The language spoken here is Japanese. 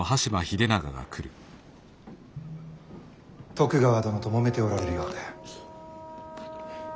徳川殿ともめておられるようで。